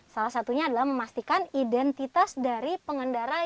salah satunya adalah memastikan identitas dari pengendara yang aman